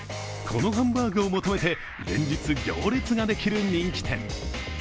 このハンバーグを求めて連日行列ができる人気店。